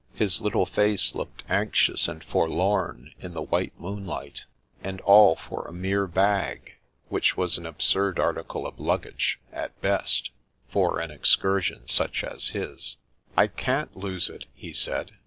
His little face looked anxious and forlorn in the white moon light And all for a mere bag, which was an ab surd article of luggage, at best, for an excursion such as his I " I can't lose it,'* he said.